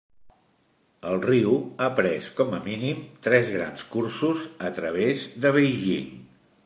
El riu ha pres, com a mínim, tres grans cursos a través de Beijing.